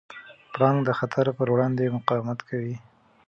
پړانګ د خطر پر وړاندې مقاومت کوي.